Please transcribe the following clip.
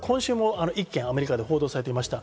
実は今週も１件、アメリカで報道されていました。